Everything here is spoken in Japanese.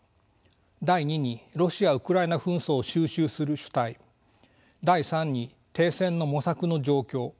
第２にロシア・ウクライナ紛争を収拾する主体第３に停戦の模索の状況